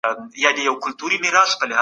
ولي بې نظمي زموږ د فکري تمرکز مخه نیسي؟